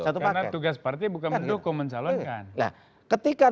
karena tugas partai bukan mendukung mencalonkan